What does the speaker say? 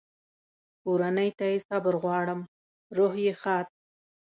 کورنۍ ته یې صبر غواړم، روح یې ښاد.